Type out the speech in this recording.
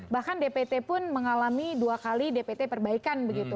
bahkan dpt pun mengalami dua kali dpt perbaikan begitu